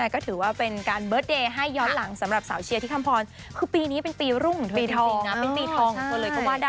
ก็ถือว่าเป็นการเบิร์ตเดย์ให้ย้อนหลังสำหรับสาวเชียร์ที่คำพรคือปีนี้เป็นปีรุ่งของเธอจริงนะเป็นปีทองของเธอเลยก็ว่าได้